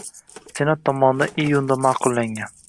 Senat tomonidan iyunda ma’qullangan